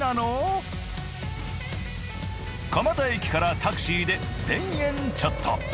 蒲田駅からタクシーで１，０００円ちょっと。